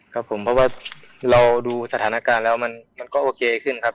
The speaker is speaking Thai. ครับผมเพราะว่าเราดูสถานการณ์แล้วมันก็โอเคขึ้นครับ